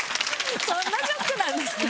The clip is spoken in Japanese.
そんなショックなんですか？